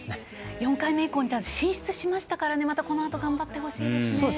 ４回目以降に進出しましたからまたこのあと頑張ってほしいです。